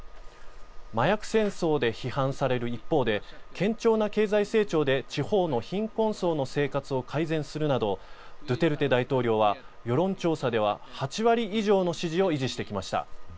麻薬戦争で批判される一方で堅調な経済成長で地方の貧困層の生活を改善するなどドゥテルテ大統領は世論調査では８割以上の支持を維持してきました。